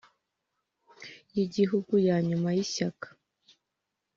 y Igihugu ya nyuma y Ishyaka